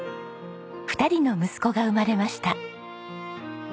２人の息子が生まれました。